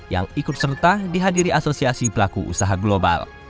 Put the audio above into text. yang ikut serta dihadiri asosiasi pelaku usaha global